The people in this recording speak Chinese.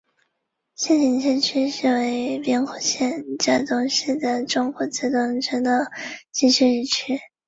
糠醛的物性已在右表中列出。